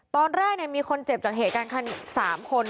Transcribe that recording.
ตอนแรกมีคนเจ็บจากเหตุการณ์๓คน